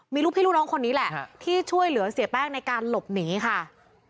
มีลูกพี่ลูกน้องคนนี้แหละที่ช่วยเหลือเสียแป้งในการหลบหนีค่ะ